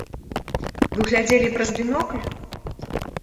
Вы глядзелі праз бінокль?